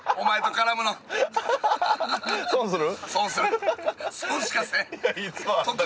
損する？